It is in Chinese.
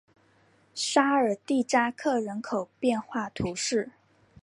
沙尔蒂扎克人口变化图示